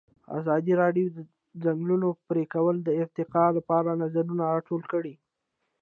ازادي راډیو د د ځنګلونو پرېکول د ارتقا لپاره نظرونه راټول کړي.